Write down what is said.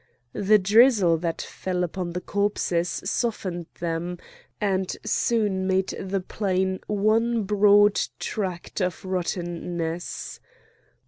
The drizzle that fell upon the corpses softened them, and soon made the plain one broad tract of rottenness.